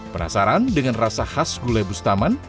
penasaran dengan rasa khas gulai bustaman